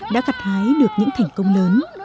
đã gặt hái được những thành công lớn